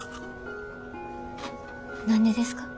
何でですか？